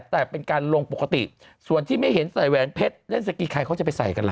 แต่เป็นการลงปกติส่วนที่ไม่เห็นใส่แหวนเพชรเล่นสกีใครเขาจะไปใส่กันล่ะ